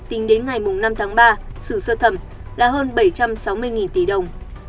tính đến ngày năm tháng ba xử sơ thẩm là hơn bảy trăm sáu mươi tỷ đồng